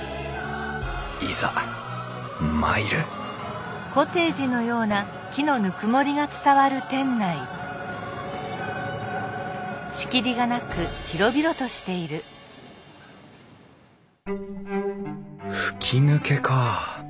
いざ参る吹き抜けか。